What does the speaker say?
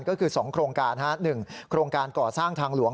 ก็คือ๒โครงการ๑โครงการก่อสร้างทางหลวง